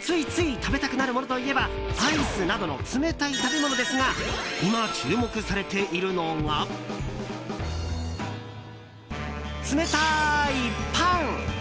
ついつい食べたくなるものといえばアイスなどの冷たい食べ物ですが今、注目されているのが冷たいパン！